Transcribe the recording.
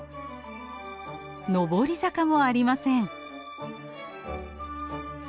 上り坂もありません。